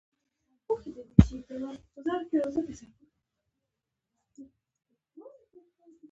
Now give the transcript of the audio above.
زه په دوبۍ کې د یوه رستورانت ملاتړی یم.